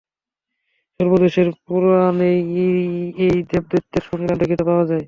সর্বদেশের পুরাণেই এই দেব-দৈত্যের সংগ্রাম দেখিতে পাওয়া যায়।